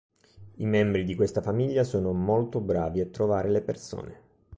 I membri di questa famiglia sono molto bravi a trovare le persone.